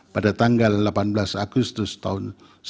pada tanggal delapan belas agustus tahun dua ribu dua puluh